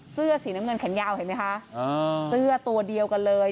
เสื้อสีน้ำเงินแขนยาวเห็นไหมคะเสื้อตัวเดียวกันเลย